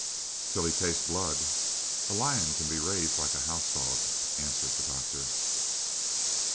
"Till he tastes blood, a lion can be raised like a house dog," answered the doctor.